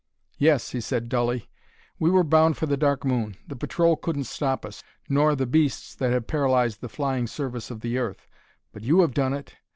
"Yes," he said dully, "we were bound for the Dark Moon. The Patrol couldn't stop us, nor the beasts that have paralyzed the flying service of the earth; but you have done it.